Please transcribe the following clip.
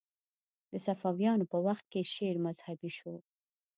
د صفویانو په وخت کې شعر مذهبي شو